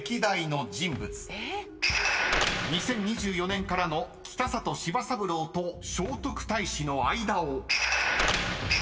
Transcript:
［２０２４年からの北里柴三郎と聖徳太子の間を］